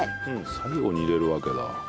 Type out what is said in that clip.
最後に入れるわけだ。